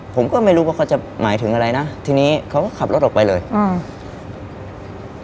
ผมก็ไม่รู้ว่าเขาจะหมายถึงอะไรนะทีนี้เขาก็ขับรถออกไปเลยอืม